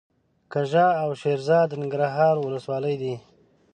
کږه او شیرزاد د ننګرهار ولسوالۍ دي.